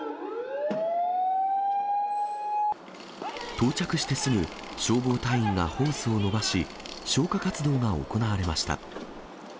到着してすぐ、消防隊員がホースを伸ばし、消火活動が行われました。